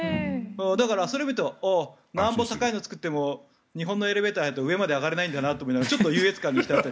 だから、それを見るとああ、なんぼ高いのを作っても日本のエレベーターがないと上まで上がれないんだなとちょっと優越感に浸って。